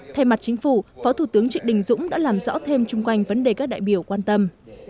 thay mặt chính phủ phó thủ tướng trịnh đình dũng đã làm rõ thêm chung quanh vấn đề các đại biểu quan tâm